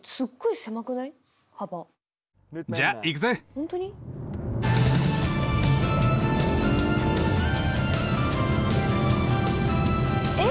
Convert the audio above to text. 本当に！？えっ！？